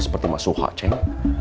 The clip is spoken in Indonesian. seperti mas suha cek